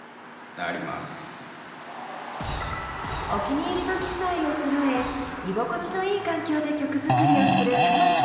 お気に入りの機材をそろえ居心地のいい環境で曲作りをする熊木さん。